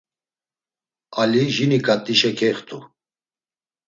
Ali jini ǩat̆işe kextu.